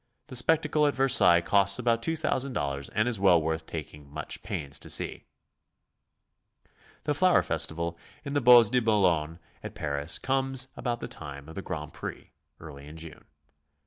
The spectacle at Ver sailles costs about $2000 and is well worth taking much pains to see. The flower festival in the Bois de Boulogne at Paris comes about the time of the Grand Prix, early in June.